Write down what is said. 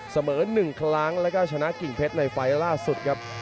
เสมอ๑ครั้งแล้วก็ชนะกิ่งเพชรในไฟล์ล่าสุดครับ